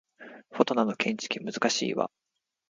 フォトナの建築難しいわ